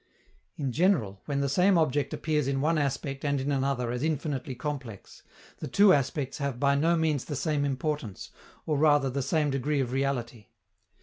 In general, when the same object appears in one aspect and in another as infinitely complex, the two aspects have by no means the same importance, or rather the same degree of reality.